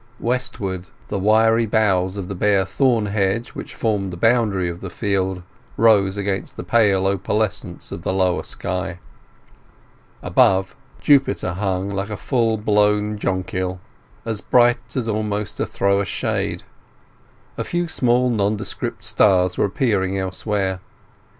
Westward, the wiry boughs of the bare thorn hedge which formed the boundary of the field rose against the pale opalescence of the lower sky. Above, Jupiter hung like a full blown jonquil, so bright as almost to throw a shade. A few small nondescript stars were appearing elsewhere.